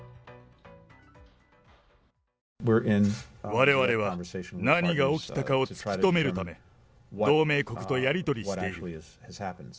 われわれは、何が起きたかを突き止めるため、同盟国とやり取りしている。